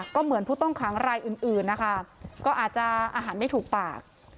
ก็เหมือนผู้ต้องขังรายอื่นนะคะก็อาจจะอาหารไม่ถูกปาก